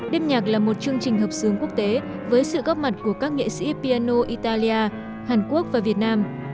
đêm nhạc là một chương trình hợp xướng quốc tế với sự góp mặt của các nghệ sĩ piano italia hàn quốc và việt nam